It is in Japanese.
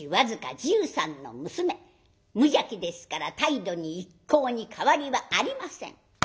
無邪気ですから態度に一向に変わりはありません。